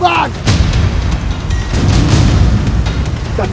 dan kau akan tetap ada di sini